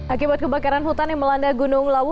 akibat kebakaran hutan yang melanda gunung lawu